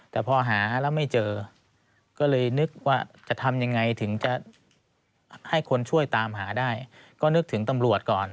แต่พอหาแล้วไม่เจอก็เลยนึกว่าจะทำยังไงถึงจะให้คนช่วยตามหาได้ก็นึกถึงตำรวจก่อน